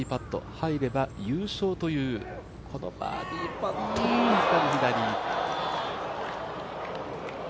入れば優勝という、このバーディーパットも左。